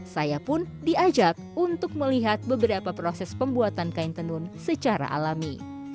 saya pun diajak untuk melihat beberapa proses pembuatan kain tenun secara alami